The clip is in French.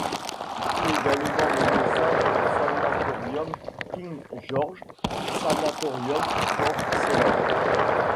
Il fut également médecin au sanatorium King George's Sanatorium for Sailors.